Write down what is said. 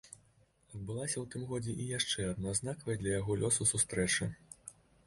Адбылася ў тым годзе і яшчэ адна знакавая для яго лёсу сустрэча.